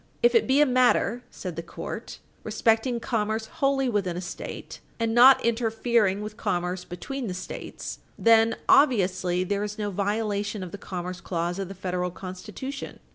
"If it be a matter," said the court, p. 591, "respecting commerce wholly within a State, and not interfering with commerce between the States, then obviously there is no violation of the commerce clause of the Federal Constitution.